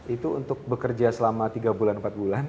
itu untuk bekerja selama tiga bulan empat bulan